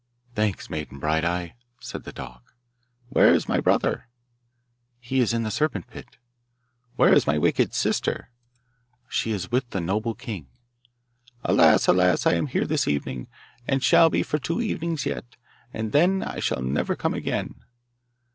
'Thanks, Maiden Bright eye,' said the dog. 'Where is my brother?' 'He is in the serpent pit.' 'Where is my wicked sister?' 'She is with the noble king.' 'Alas! alas! I am here this evening, and shall be for two evenings yet, and then I shall never come again.